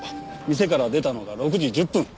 店から出たのが６時１０分。